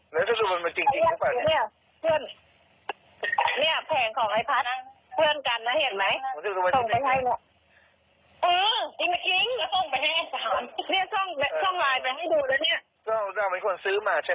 แล้วจะดูมันเป็นจริงหรือเปล่าเนี่ย